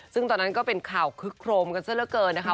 ซึ่งตอนนั้นก็เป็นข่าวคึกโครมกันซะละเกินนะคะ